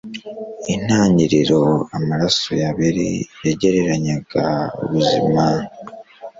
intangiriro amaraso ya abeli yagereranyaga ubuzima